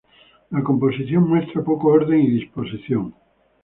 La composición muestra poco orden y disposición.